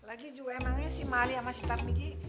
lagi juga emangnya si mali sama si tarminki